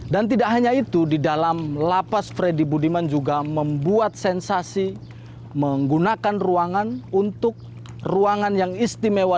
dan tidak hanya itu di dalam lapas freddy budiman juga membuat sensasi menggunakan ruangan untuk ruangan yang istimewa